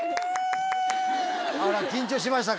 あら緊張しましたか？